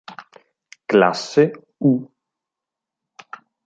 Classe U